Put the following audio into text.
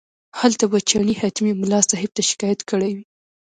هلته به چڼي حتمي ملا صاحب ته شکایت کړی وي.